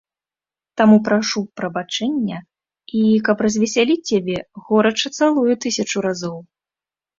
Таму прашу прабачэння і, каб развесяліць цябе, горача цалую тысячу разоў.